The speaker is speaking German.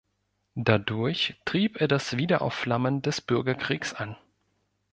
Dadurch trieb er das Wiederaufflammen des Bürgerkriegs an.